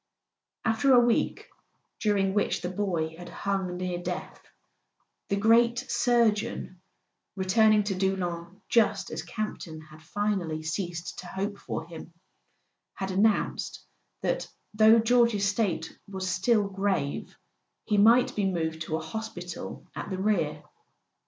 After a week during which the boy had hung near death, the great surgeon—returning to Doullens just as Campton had finally ceased to hope for him—had announced that, though George's state was still grave, he might be moved to a hospital at the rear.